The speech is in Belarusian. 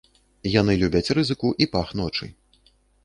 Яны любяць рызыку і пах ночы.